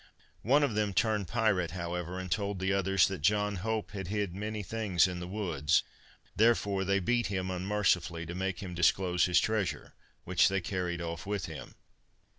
One of them turned pirate however, and told the others that John Hope had hid many things in the woods; therefore, they beat him unmercifully to make him disclose his treasure, which they carried off with them.